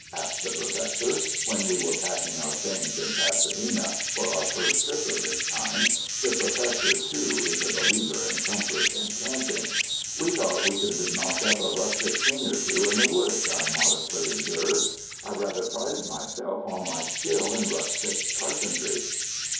asked the Professor, when we were packing our things in Pasadena for our first trip of this kind, — the Professor too is a believer in comfort in camping. We thought we could knock up a rustic thing or two in the woods, I modestly observed. I rather pride myself on my skill in rustic carpentry.